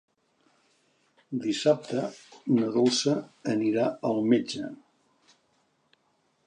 Dissabte na Dolça anirà al metge.